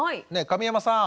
神山さん。